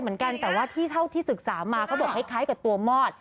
เอาอีกทีเอาอีกทีเอาอีกที